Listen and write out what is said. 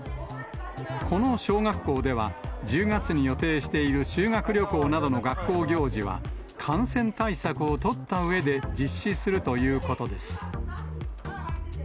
この小学校では、１０月に予定している修学旅行などの学校行事は、感染対策を取ったうえで実施するということです。